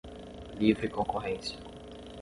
livre concorrência